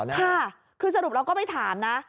ค่ะคือสรุปเราก็ไปถามนะ